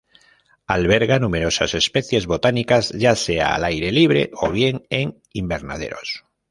Alberga numerosas especies botánicas ya sea al aire libre, o bien en invernaderos.